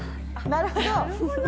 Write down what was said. なるほど。